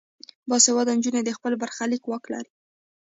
باسواده نجونې د خپل برخلیک واک لري.